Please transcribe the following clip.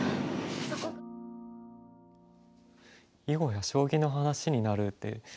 囲碁や将棋の話になるって。